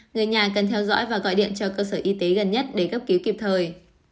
người nhà cần theo dõi và gọi điện cho cơ sở y tế gần nhất để cấp cứu kịp thời